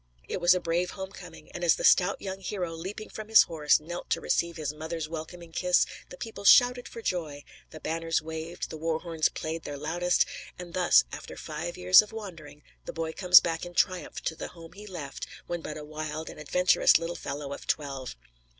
It was a brave home coming; and as the stout young hero, leaping from his horse, knelt to receive his mother's welcoming kiss, the people shouted for joy, the banners waved, the war horns played their loudest; and thus, after five years of wandering, the boy comes back in triumph to the home he left when but a wild and adventurous little fellow of twelve.